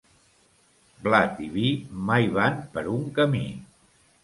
Blat i vi mai van per un camí.